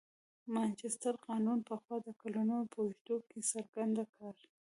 مانچستر قانون پخوا د کلونو په اوږدو کې څرګنده کړه.